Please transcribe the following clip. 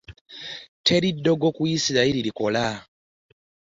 Teri ddogo ku Yisirayiri likola.